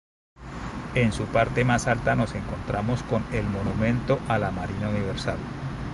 En su parte más alta nos encontramos con el Monumento a la marina universal.